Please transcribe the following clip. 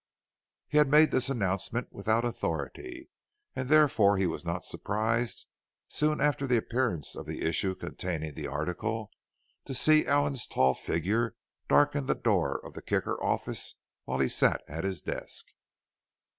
He had made this announcement without authority, and therefore he was not surprised, soon after the appearance of the issue containing the article, to see Allen's tall figure darken the door of the Kicker office while he sat at his desk.